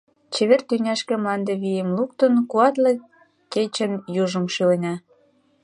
Чевер тӱняшке мланде вийым луктын, Куатле кечын южым шӱлена.